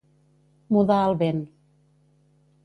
Mudar el vent.